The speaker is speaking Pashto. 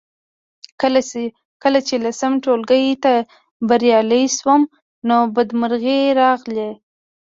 کله چې لسم ټولګي ته بریالۍ شوم نو بدمرغۍ راغلې